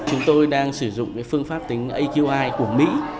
chúng tôi đang sử dụng phương pháp tính aqi của mỹ